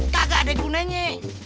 kagak ada gunanya